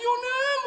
もう！